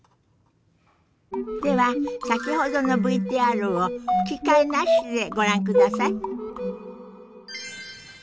では先ほどのＶＴＲを吹き替えなしでご覧ください。